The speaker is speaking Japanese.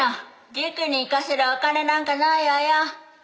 塾に行かせるお金なんかないわよ。